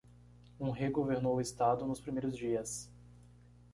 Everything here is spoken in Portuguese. Um rei governou o estado nos primeiros dias.